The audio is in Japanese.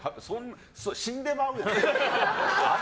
死んでまうよ。